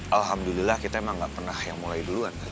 alhamdulillah kita emang gak pernah yang mulai duluan